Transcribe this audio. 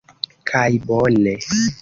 Kaj bone!